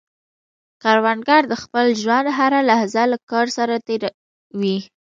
کروندګر د خپل ژوند هره لحظه له کار سره تېر وي